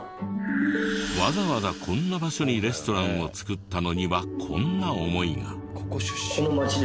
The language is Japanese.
わざわざこんな場所にレストランを作ったのにはこんな思いが。